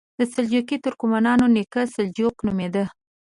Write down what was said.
د سلجوقي ترکمنانو نیکه سلجوق نومېده.